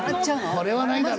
これはないだろ。